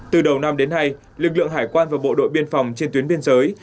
từ đầu năm đến nay lực lượng hải quan và bộ đội biên phòng trên tuyến biên giới